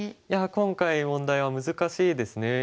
いや今回問題は難しいですね。